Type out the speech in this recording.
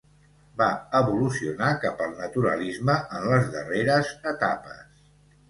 Va evolucionar cap al naturalisme en les darreres etapes.